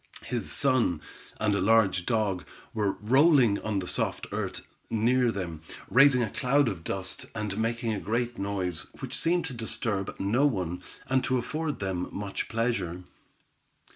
His son, and a large dog, were rolling about on the soft earth, near them, raising a cloud of dust, and making a great noise, which seemed to disturb no one, and to afford them much pleasure.